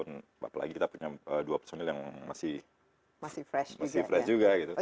apalagi kita punya dua personil yang masih fresh juga gitu